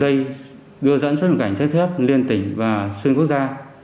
dây đưa dẫn xuất nhập cảnh trái phép liên tỉnh và xuyên quốc gia